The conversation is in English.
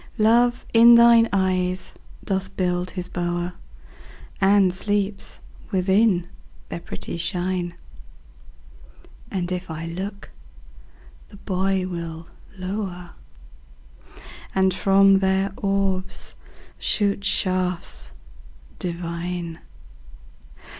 Love in thine eyes doth build his bower, And sleeps within their pretty shine; And if I look, the boy will lower, And from their orbs shoot shafts divine.